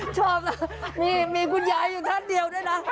ชอบนะนี่มีคุณยายอยู่ท่านเดียวด้วยนะ